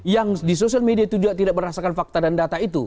yang di sosial media itu juga tidak merasakan fakta dan data itu